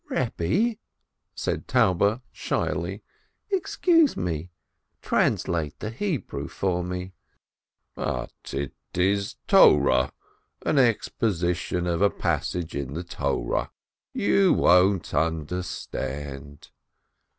"Kebbe," said Taube, shyly, "excuse me, translate the Hebrew for me !" "But it is Torah, an exposition of a passage in the Torah. You won't understand."